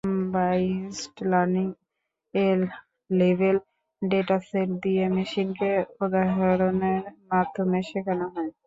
Supervised learning এ label dataset দিয়ে মেশিনকে উদাহরনের মাধ্যমে শেখানো হয়।